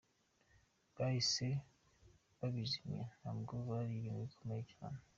Bahise babizimya ntabwo ari ibintu bikomeye cyane.